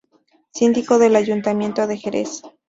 Síndico del Ayuntamiento de Jerez.